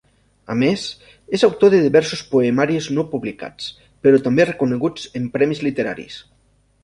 A més, és autor de diversos poemaris no publicats, però també reconeguts en premis literaris.